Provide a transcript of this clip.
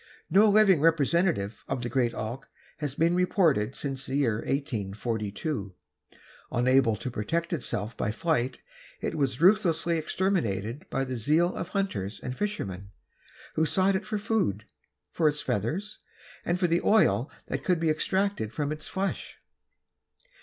No living representative of the great auk has been reported since the year 1842. Unable to protect itself by flight it was ruthlessly exterminated by the zeal of hunters and fishermen who sought it for food, for its feathers and for the oil that could be extracted from its flesh.